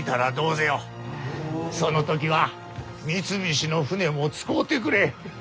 その時は三菱の船も使うてくれ。